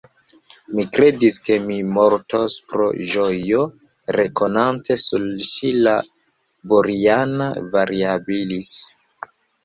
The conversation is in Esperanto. Mi kredis, ke mi mortos pro ĝojo, rekonante sur ŝi la Boriana variabilis.